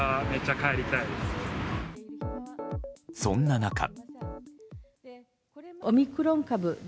そんな中。